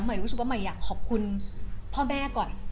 รู้สึกว่าใหม่อยากขอบคุณพ่อแม่ก่อน